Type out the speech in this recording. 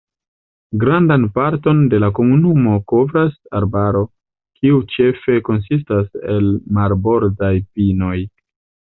Grandan parton de la komunumo kovras arbaro, kiu ĉefe konsistas el marbordaj pinoj.